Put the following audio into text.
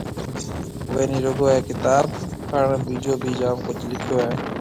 اُوئي نِي رُگو اَي ڪتآب پآ ٻِجو ڀِي جآم ڪجه لِکيو هيَ۔